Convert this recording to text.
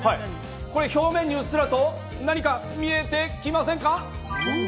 表面にうっすらと何か見えてきませんか？